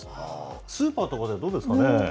スーパーとかではどうですかね？